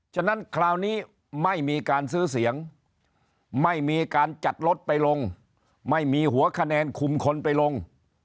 ฉะนั้นคราวนี้ไม่มีการซื้อเสียงไม่มีการจัดรถไปลงไม่มีหัวคะแนนคุมคนไปลง